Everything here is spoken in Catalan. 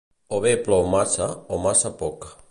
o be plou massa o massa poc.